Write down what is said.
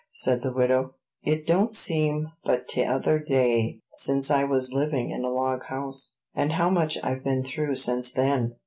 said the widow; "it don't seem but t'other day since I was living in a log house; and how much I've been through since then!"